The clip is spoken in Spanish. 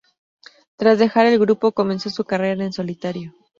Tras dejar el grupo, comenzó su carrera en solitario.